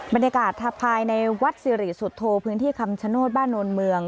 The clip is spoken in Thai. บรรยากาศภายในวัดสิริสุทธโธพื้นที่คำชโนธบ้านโนนเมือง